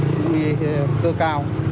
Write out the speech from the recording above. đi cơ cao